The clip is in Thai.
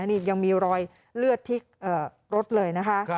นี่ยังมีรอยเลือดทริกรถเลย